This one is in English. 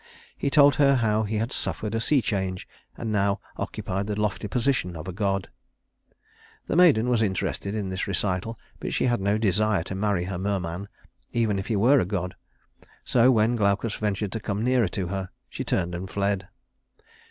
He told her how he had suffered a sea change, and now occupied the lofty position of a god. The maiden was interested in this recital, but she had no desire to marry a merman, even if he were a god; so when Glaucus ventured to come nearer to her, she turned and fled.